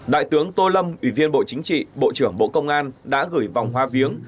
đại tướng tô lâm ủy viên bộ chính trị bộ trưởng bộ công an đã gửi vòng hoa viếng